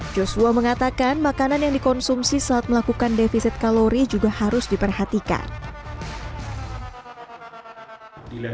joshua mengatakan makanan yang dikonsumsi saat melakukan defisit kalori juga harus diperhatikan